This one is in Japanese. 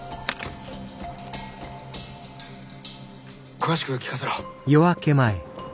詳しく聞かせろ。